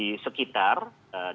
dan sudah terkendali